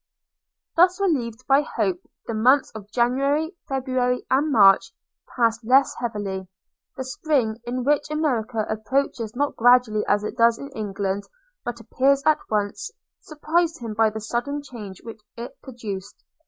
Thus relieved by hope, the months of January, February, and March, passed less heavily. The Spring, which in America approaches not gradually as it does in England, but; appears at once, surprised him by the sudden change which it produced.